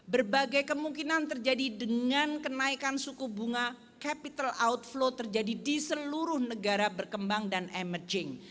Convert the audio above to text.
berbagai kemungkinan terjadi dengan kenaikan suku bunga capital outflow terjadi di seluruh negara berkembang dan emerging